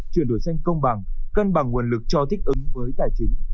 chuyển đổi xanh công bằng cân bằng nguồn lực cho thích ứng với tài chính